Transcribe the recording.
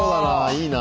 いいな。